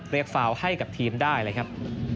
ฟาวให้กับทีมได้เลยครับ